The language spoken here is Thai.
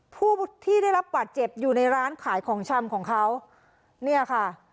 ผู้ที่ได้รับบาดเจ็บอยู่ในร้านขายของชำของเขาเนี่ยค่ะ